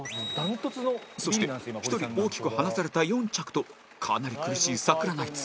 そして１人大きく離された４着とかなり苦しいサクラナイツ